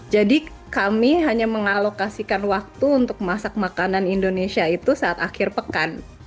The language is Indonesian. jadi kami hanya mengalokasikan waktu untuk masak makanan indonesia itu saat akhir pekan